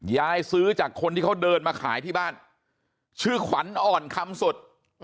ซื้อจากคนที่เขาเดินมาขายที่บ้านชื่อขวัญอ่อนคำสุด